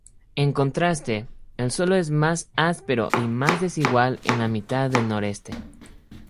En contraste, el suelo es más áspero y más desigual en la mitad noreste.